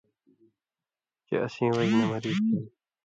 چے اسیں وجہۡ نہ مریض تاں